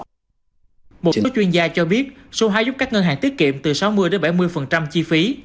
một số chuyên gia cho biết số hóa giúp các ngân hàng tiết kiệm từ sáu mươi bảy mươi chi phí